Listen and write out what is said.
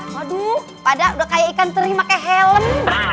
waduh pada udah kayak ikan teri pakai helm